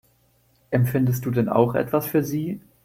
Empfindest du denn auch etwas für sie?